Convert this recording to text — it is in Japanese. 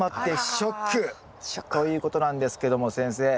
ショック。ということなんですけども先生。